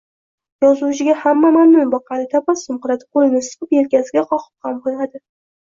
Yozuvchiga hamma mamnun boqadi, tabassum qiladi, qoʻlini siqib, yelkasiga qoqib ham qoʻyadi